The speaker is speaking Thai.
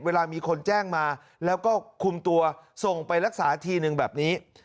เวลามีคนแจ้งมาแล้วก็คุมตัวส่งไปรักษาทีนึงแบบนี้